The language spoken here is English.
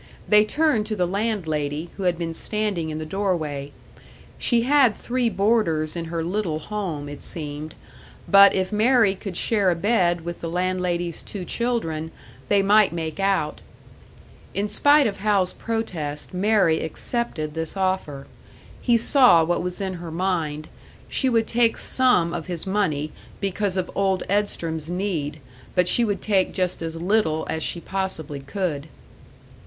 They turned to the landlady, who had been standing in the doorway; she had three boarders in her little home, it seemed, but if Mary could share a bed with the landlady's two children, they might make out. In spite of Hal's protest, Mary accepted this offer; he saw what was in her mind she would take some of his money, because of old Edstrom's need, but she would take just as little as she possibly could.